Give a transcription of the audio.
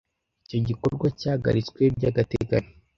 Icyo gikorwa cyahagaritswe by'agateganyo